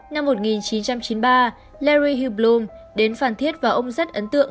năm một nghìn chín trăm chín mươi ba larry hugh bloom đến phan thiết và ông rất ấn tượng